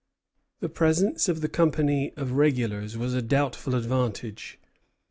The presence of the company of regulars was a doubtful advantage.